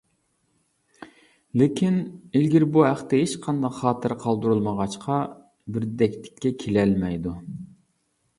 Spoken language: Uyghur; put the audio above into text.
لېكىن، ئىلگىرى بۇ ھەقتە ھېچقانداق خاتىرە قالدۇرۇلمىغاچقا، بىردەكلىككە كېلەلمەيدۇ.